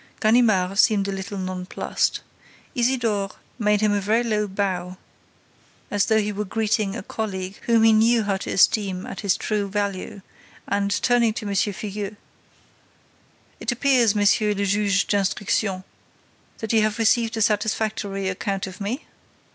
Ganimard seemed a little nonplussed. Isidore made him a very low bow, as though he were greeting a colleague whom he knew how to esteem at his true value, and, turning to M. Filleul: "It appears, Monsieur le Juge d'Instruction, that you have received a satisfactory account of me?"